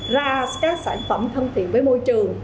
ra các sản phẩm thân thiện với môi trường